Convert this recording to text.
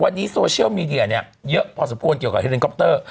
วันนี้โซเชียลมีเดียเนี่ยเยอะพอสมควรเกี่ยวกับเฮลินคอปเตอร์